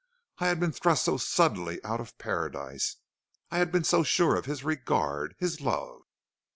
I had been thrust so suddenly out of paradise. I had been so sure of his regard, his love.